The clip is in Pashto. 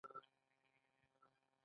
د ملا درد لپاره د کوم شي تېل وکاروم؟